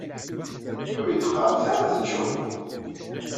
Ur iyi-d-qqaṛet ara teččummum?